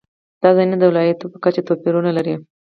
دا ځایونه د ولایاتو په کچه توپیرونه لري.